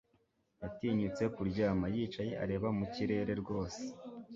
Yatinyutse kuryama; yicaye areba mu kirere rwose